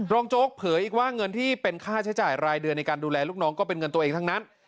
โจ๊กเผยอีกว่าเงินที่เป็นค่าใช้จ่ายรายเดือนในการดูแลลูกน้องก็เป็นเงินตัวเองทั้งนั้น